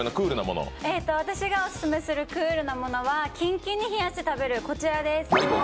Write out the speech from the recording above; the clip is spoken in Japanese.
私がオススメするクールなものは、キンキンに冷やして食べるこちらです。